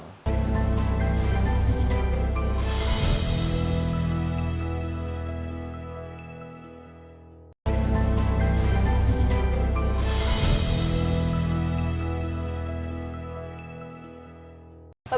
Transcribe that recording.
jadi kita harus berhati hati